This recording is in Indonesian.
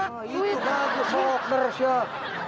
nah itu bagus sokner sok